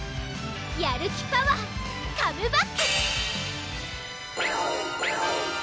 やるきパワーカムバック！